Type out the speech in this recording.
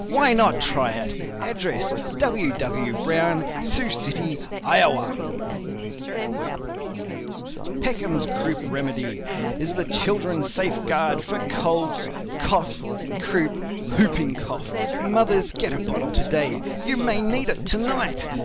Why not try it? Address: W. W. BROWN, Sioux City, Iowa PECKHAM'S CROUP REMEDY Is the Children's safe guard for Cough, Colds, Croup, Whooping Cough. Mothers, get a bottle to day, you may need it to night.